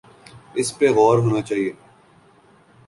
اس پہ غور ہونا چاہیے۔